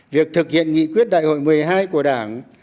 việc thực hiện nghị quyết đại hội một mươi hai của đảng